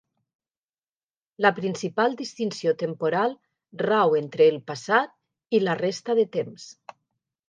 La principal distinció temporal rau entre el passat i la resta de temps.